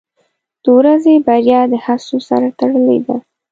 • د ورځې بریا د هڅو سره تړلې ده.